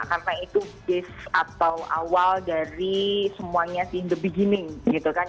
karena itu bis atau awal dari semuanya sih the beginning gitu kan